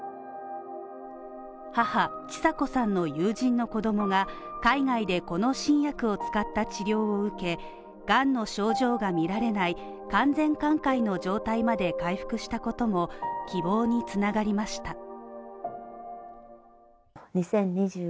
母、知佐子さんの友人の子供が海外でこの新薬を使った治療を受け、がんの症状が見られない、完全寛解の状態まで回復したことも希望につながりました。